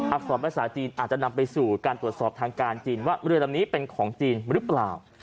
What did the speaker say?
สอนภาษาจีนอาจจะนำไปสู่การตรวจสอบทางการจีนว่าเรือลำนี้เป็นของจีนหรือเปล่า